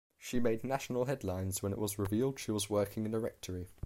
She made national headlines when it was revealed she was working in a rectory.